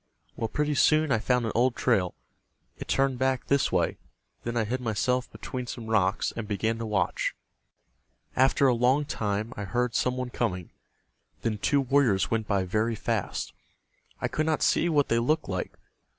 Well, pretty soon I found an old trail. It turned back this way. Then I hid myself between some rocks, and began to watch. After a long time I heard some one coming. Then two warriors went by very fast. I could not see what they looked like.